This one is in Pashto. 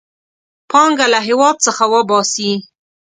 پانګه له هېواد څخه وباسي.